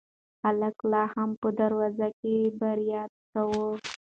هلک لا هم په دروازه برید کاوه.